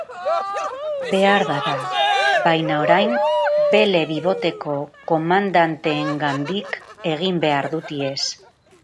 Beharbada, baina orain bele biboteko komandanteengandik egin behar dut ihes.